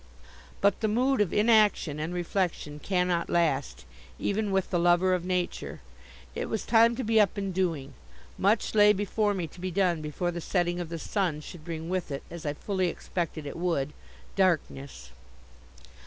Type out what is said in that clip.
But the mood of inaction and reflection cannot last, even with the lover of Nature. It was time to be up and doing. Much lay before me to be done before the setting of the sun should bring with it, as I fully expected it would, darkness.